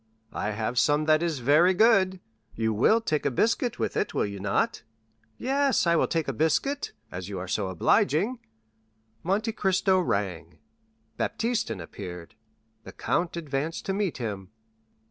"I have some that is very good. You will take a biscuit with it, will you not?" "Yes, I will take a biscuit, as you are so obliging." Monte Cristo rang; Baptistin appeared. The count advanced to meet him.